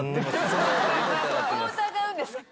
そこを疑うんですか？